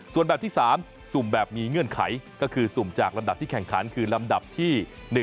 ส่วนแบบที่๓สุ่มแบบมีเงื่อนไขก็คือสุ่มจากลำดับที่แข่งขันคือลำดับที่๑